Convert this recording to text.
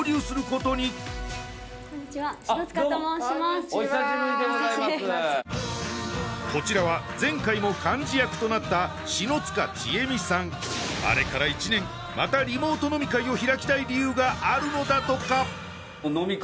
こんにちはこちらは前回も幹事役となったあれから１年またリモート飲み会を開きたい理由があるのだとか